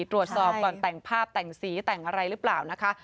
ตรวจสอบก่อนแต่งภาพแต่งสีแต่งอะไรหรือเปล่านะคะ